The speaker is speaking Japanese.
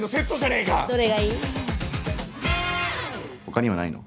他にはないの？